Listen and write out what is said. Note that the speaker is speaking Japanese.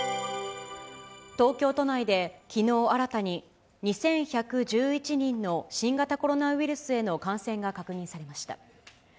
東京都内できのう新たに、２１１１人の新型コロナウイルスへの感染が確認されました。